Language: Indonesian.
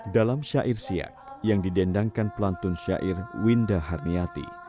dalam sair siap yang didendangkan pelantun sair winda harniyati